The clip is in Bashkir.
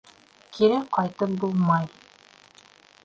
Кире ҡайтып булмай.